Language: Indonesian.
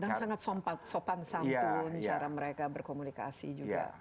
dan sangat sopan santun cara mereka berkomunikasi juga